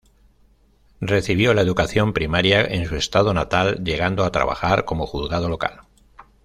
Recibió la educación primaria en su estado natal llegando a trabajar como juzgado local.